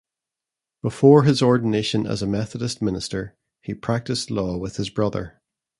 Before his ordination as a Methodist minister, he practiced law with his brother.